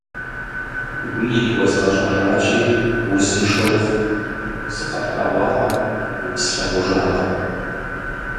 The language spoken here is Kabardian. Уилъ уэзгъэщӀэжащи, узыншэ ухъу, сыкъэплъэгъуакъым, услъэгъужакъым.